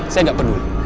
saya tidak peduli